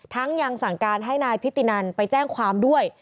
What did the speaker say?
ยังสั่งการให้นายพิธีนันไปแจ้งความด้วย